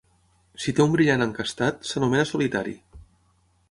Si té un brillant encastat, s'anomena solitari.